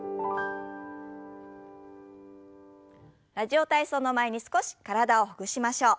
「ラジオ体操」の前に少し体をほぐしましょう。